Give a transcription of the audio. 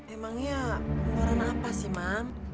emangnya orang apa sih mam